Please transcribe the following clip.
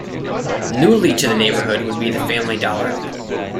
Newly to the neighborhood would be the Family Dollar.